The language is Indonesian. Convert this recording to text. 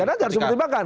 ya kan harus pertimbangan